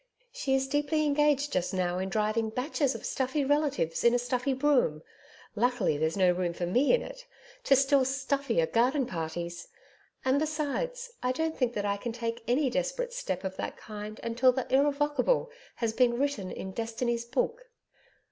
She is deeply engaged just now in driving batches of stuffy relatives in a stuffy brougham luckily there's no room for me in it to still stuffier garden parties. And, besides, I don't feel that I can take any desperate step of that kind until the Irrevocable has been written in Destiny's Book.